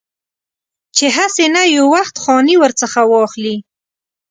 چې هسې نه یو وخت خاني ورڅخه واخلي.